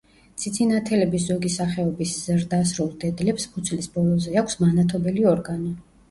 ციცინათელების ზოგი სახეობის ზრდასრულ დედლებს მუცლის ბოლოზე აქვს მანათობელი ორგანო.